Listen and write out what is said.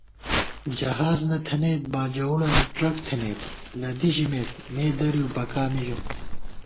جہاز نہ تھنَئیت باجَوُڑَنی ٹرک تھنَئیت لدِی ژمېت مےدرِؤ بَکا مَژِؤ